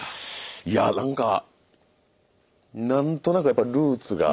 いやなんか何となくやっぱルーツが。